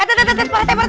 eh tepuk tangan pak rt